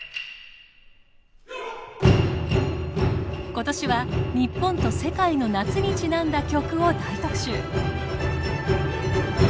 今年は日本と世界の夏にちなんだ曲を大特集！